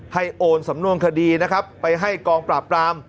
ให้โอนสำนวนคดีไปให้กองปราบปราม